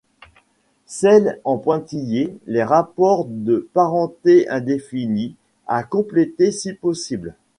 Celles en pointillé, les rapports de parenté indéfinie, à compléter si possible.